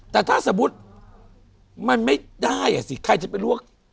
แต่ถ้าสมมุติมันไม่ได้อ่ะสิใครจะไปลวก